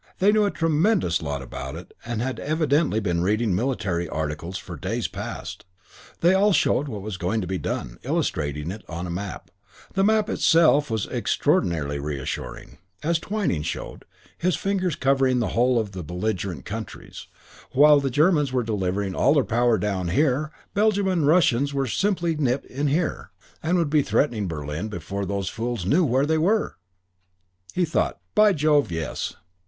They knew a tremendous lot about it and had evidently been reading military articles for days past. They all showed what was going to be done, illustrating it on the map. And the map itself was extraordinarily reassuring: as Twyning showed his fingers covering the whole of the belligerent countries while the Germans were delivering all their power down here, in Belgium, the Russians simply nipped in here and would be threatening Berlin before those fools knew where they were! He thought, "By Jove, yes."